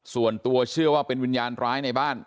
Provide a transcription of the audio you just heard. ส่วนตัวเชื่อว่าเป็นวิญญาณร้ายในบ้าน